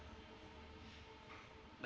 jelas tidak pernah